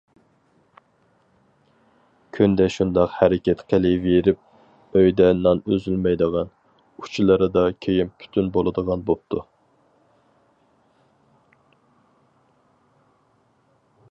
كۈندە شۇنداق ھەرىكەت قىلىۋېرىپ، ئۆيدە نان ئۈزۈلمەيدىغان، ئۇچىلىرىدا كىيىم پۈتۈن بولىدىغان بوپتۇ.